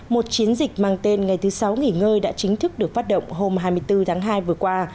một chiến dịch mang tên ngày thứ sáu nghỉ ngơi đã chính thức được phát động hôm hai mươi bốn tháng hai vừa qua